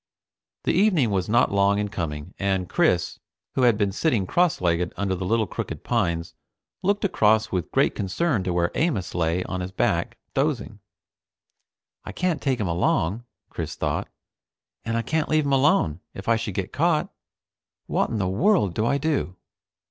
The evening was not long in coming, and Chris, who had been sitting cross legged under the little crooked pines, looked across with great concern to where Amos lay on his back, dozing. I can't take him along, Chris thought, and I can't leave him alone, if I should get caught. What in the world do I do?